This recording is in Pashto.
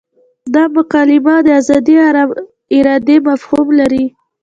دا مکالمه د ازادې ارادې مفهوم لري.